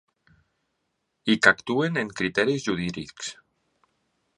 I que actuen amb criteris jurídics.